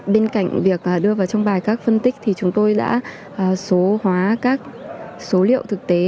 bên cạnh việc đưa vào trong bài các phân tích thì chúng tôi đã số hóa các số liệu thực tế